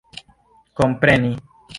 kompreni